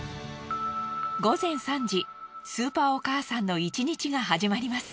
スーパーお母さんの１日が始まります。